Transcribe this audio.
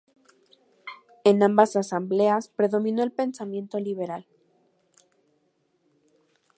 En ambas asambleas, predominó el pensamiento liberal.